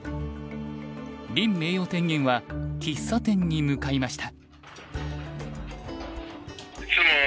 林名誉天元は喫茶店に向かいました。